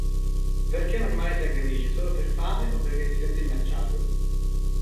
Perché un animale ti aggredisce solo per fame o perché si sente minacciato.